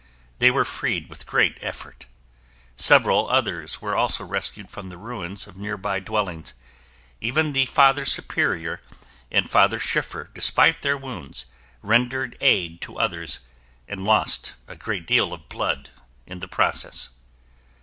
They were freed with great effort. Several others were also rescued from the ruins of nearby dwellings. Even the Father Superior and Father Schiffer despite their wounds, rendered aid to others and lost a great deal of blood in the process.